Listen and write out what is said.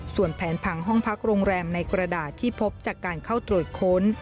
ส่วนแผนผังห้องพักโรงแรมในกระดาษที่พบจากการเข้าตรวจค้น